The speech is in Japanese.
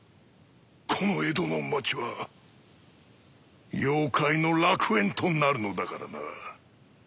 この江戸の町は妖怪の楽園となるのだからな。